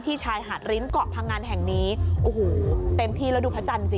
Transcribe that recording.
ชายหาดริ้นเกาะพังอันแห่งนี้โอ้โหเต็มที่แล้วดูพระจันทร์สิ